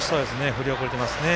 振り遅れていますね。